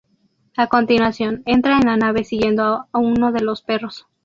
A continuación, entra en la nave siguiendo uno de los perros.